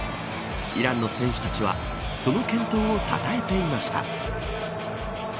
イランの選手たちはその健闘をたたえていました。